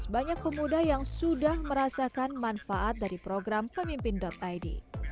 banyak pemuda yang sudah merasakan manfaat dari program pemimpin id